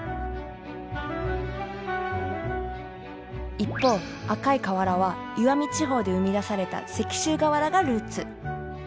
一方赤い瓦は石見地方で生み出された石州瓦がルーツ。